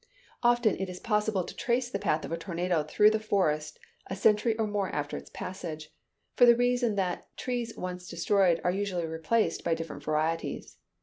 Often it is possible to trace the path of a tornado through the forest a century or more after its passage; for the reason that trees once destroyed are usually replaced by different varieties.